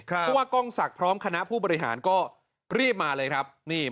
เพราะว่ากล้องศักดิ์พร้อมคณะผู้บริหารก็รีบมาเลยครับ